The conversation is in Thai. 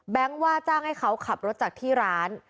ว่าจ้างให้เขาขับรถจากที่ร้าน